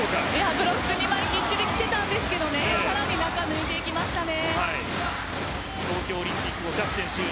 ブロックに今、きっちりきていたんですけどさらに中抜いていきましたね。